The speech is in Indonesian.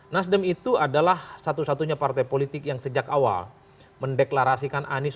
nasdem itu adalah satu satunya partai politik yang sejak awal mendeklarasikan anies